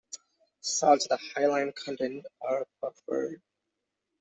Soils with a high lime content are preferred.